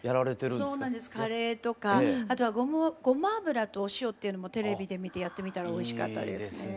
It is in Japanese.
そうなんですカレーとかあとはごま油とお塩っていうのもテレビで見てやってみたらおいしかったですね。